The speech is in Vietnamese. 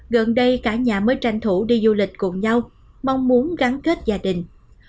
gần đây cả nhà mới tranh thủ đi du lịch cùng nhau mong muốn gắn kết gia đình